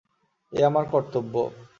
এ আমার কর্তব্য।